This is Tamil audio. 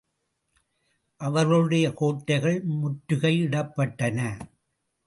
அவர்களுடைய கோட்டைகள் முற்றுகை இடப்பட்டன.